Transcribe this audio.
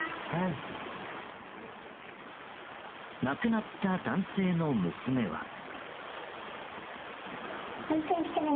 亡くなった男性の娘は。